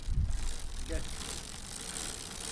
Göt!